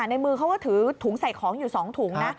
ในมือเขาก็ถือถุงใส่ของอยู่๒ถุงนะ